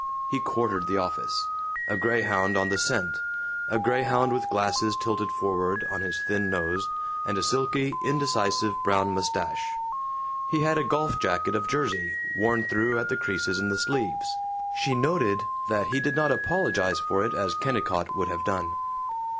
He quartered the office, a grayhound on the scent; a grayhound with glasses tilted forward on his thin nose, and a silky indecisive brown mustache. He had a golf jacket of jersey, worn through at the creases in the sleeves. She noted that he did not apologize for it, as Kennicott would have done.